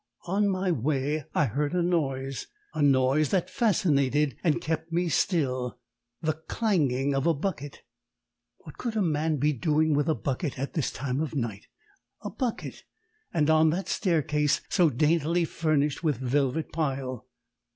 On my way I heard a noise a noise that fascinated and kept me still the clanging of a bucket. What could a man be doing with a bucket at this time of night a bucket! and on that staircase so daintily furnished with velvet pile?